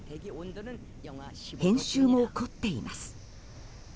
編集も凝っています。